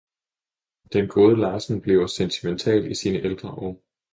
Den gode Larsen bliver sentimental i sine ældre år!